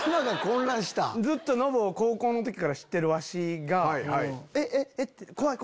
ずっとノブを高校の時から知ってるわしがえっえっ怖い